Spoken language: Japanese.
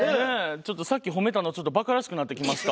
ちょっとさっき褒めたのちょっとばからしくなってきました。